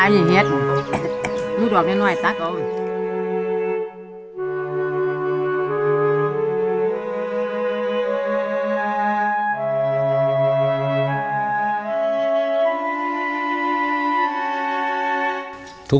ก็ยังดีว่ามีคนมาดูแลน้องเติร์ดให้